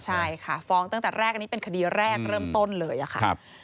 ใช่ค่ะฟ้องตั้งแต่แรกอันนี้เป็นคดีแรกเริ่มต้นเลยค่ะ